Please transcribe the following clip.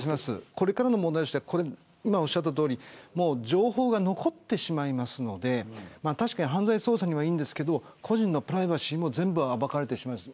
これからの問題としては情報が残ってしまいますので確かに犯罪捜査にはいいんですけど個人のプライバシーも全部暴かれてしまいます。